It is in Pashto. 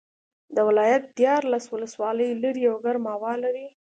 دا ولایت دیارلس ولسوالۍ لري او ګرمه هوا لري